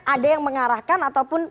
ada yang mengarahkan ataupun